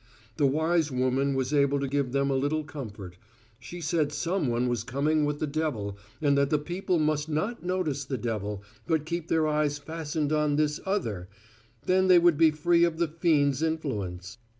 The wise woman was able to give them a little comfort; she said some one was coming with the devil, and that the people must not notice the devil, but keep their eyes fastened on this other then they would be free of the fiend's influence.